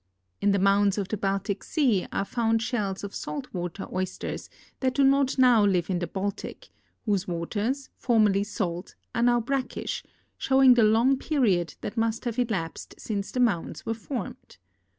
In the mounds on the Baltic sea are found shells of salt water 03^sters that do not now live in the Baltic, whose waters, formerly salt, are now brackish, showing the long period that must have elapsed since the mounds were formed.